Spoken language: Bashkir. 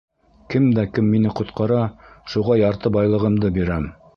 Кем дә кем мине ҡотҡара, шуға ярты байлығымды бирәм!